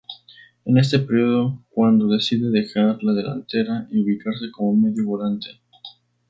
Es en este período cuando decide dejar la delantera y ubicarse como medio volante.